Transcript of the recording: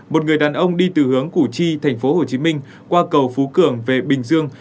một người đàn ông đi từ hướng củ chi thành phố hồ chí minh qua cầu phú cường về bình dương